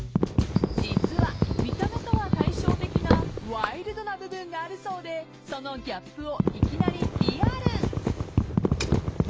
［実は見た目とは対照的なワイルドな部分があるそうでそのギャップを］